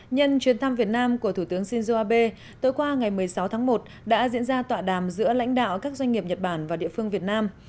nhân chuyến thăm việt nam của thủ tướng shinzo abe tối qua ngày một mươi sáu tháng một đã diễn ra tọa đàm giữa lãnh đạo các doanh nghiệp nhật bản và địa phương việt nam